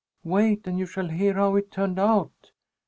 "Wait, and you shall hear how it turned out!